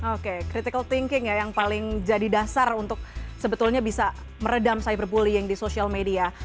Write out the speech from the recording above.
oke critical thinking ya yang paling jadi dasar untuk sebetulnya bisa meredam cyberbullying di social media